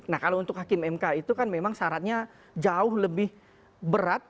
nah kalau untuk hakim mk itu kan memang syaratnya jauh lebih berat